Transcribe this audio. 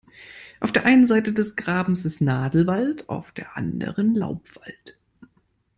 Auf der einen Seite des Grabens ist Nadelwald, auf der anderen Laubwald.